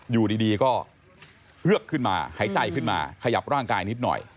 อยู่ดีก็เฮือกขึ้นมาหายใจขึ้นมาขยับร่างกายนิดหน่อย